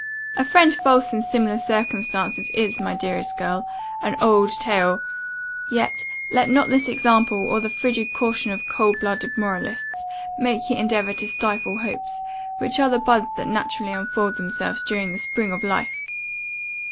A friend false in similar circumstances, is, my dearest girl, an old tale; yet, let not this example, or the frigid caution of coldblooded moralists, make you endeavour to stifle hopes, which are the buds that naturally unfold themselves during the spring of life!